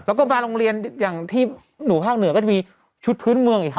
แล้วก็สมมุติลองเรียนที่หนูภาคเหนือก็จะมีชุดพื้นเมืองอีกค่ะ